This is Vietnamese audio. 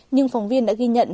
nhưng phóng viên đã ghi nhận